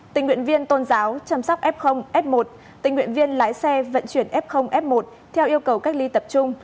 tình nguyện viên tôn giáo chăm sóc f f một tình nguyện viên lái xe vận chuyển f f một theo yêu cầu cách ly tập trung